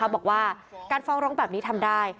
บอกว่าการฟ้องร้องแบบนี้ทำได้